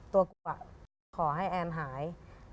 ตัวกูขอให้แอนหาย